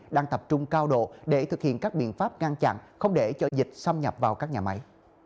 đang tập trung cao độ để thực hiện các biện pháp ngăn chặn không để cho dịch xâm nhập vào các nhà máy